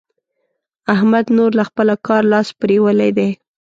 احمد نور له خپله کاره لاس پرېولی دی.